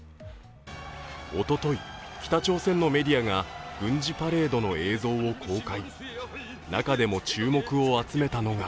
おととい、北朝鮮のメディアが軍事パレードの映像を公開。